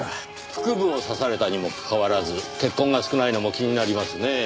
腹部を刺されたにもかかわらず血痕が少ないのも気になりますねぇ。